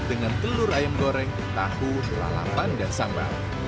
dengan telur ayam goreng tahu lalapan dan sambal